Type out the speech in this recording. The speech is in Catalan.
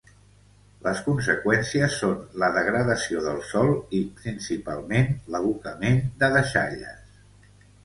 Les conseqüències són la degradació del sòl i, principalment, l’abocament de deixalles.